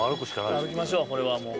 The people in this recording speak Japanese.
歩きましょうこれはもう。